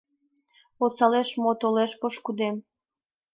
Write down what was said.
Осалеш мо толеш пешкыдем?